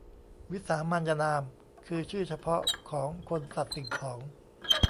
วิสามานยนาม คือชื่อเฉพาะของคน สัตว์ สิ่งของ